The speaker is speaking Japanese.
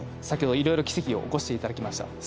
先ほどいろいろ奇跡を起こして頂きました。